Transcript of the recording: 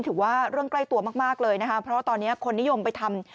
ถือว่าเรื่องใกล้ตัวมากเลยนะคะเพราะว่าตอนนี้คนนิยมไปทำ